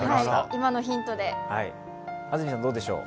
今のヒントで。